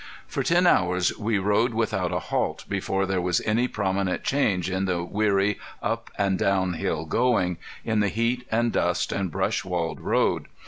For ten hours we rode without a halt before there was any prominent change in the weary up and down hill going, in the heat and dust and brush walled road.